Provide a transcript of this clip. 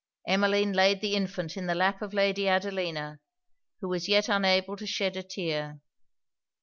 Emmeline laid the infant in the lap of Lady Adelina, who was yet unable to shed a tear.